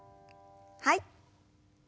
はい。